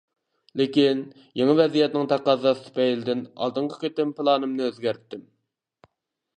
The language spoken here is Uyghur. لېكىن، يېڭى ۋەزىيەتنىڭ تەقەززاسى تۈپەيلىدىن ئالدىنقى قېتىم پىلانىمنى ئۆزگەرتتىم.